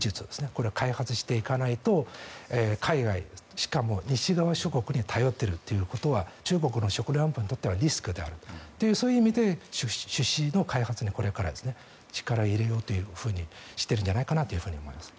これを開発していかないと海外、しかも西側諸国に頼っているということは中国の食料安保にとってはリスクであるというそういう意味で種子の開発にこれから力を入れようとしているんじゃないかと思います。